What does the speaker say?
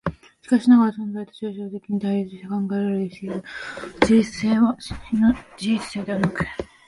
しかしながら存在と抽象的に対立して考えられる思惟の自律性は真の自律性でなく、